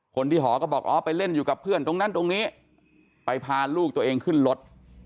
หอก็บอกอ๋อไปเล่นอยู่กับเพื่อนตรงนั้นตรงนี้ไปพาลูกตัวเองขึ้นรถ